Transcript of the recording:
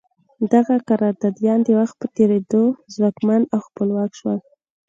دغه قراردادیان د وخت په تېرېدو ځواکمن او خپلواک شول.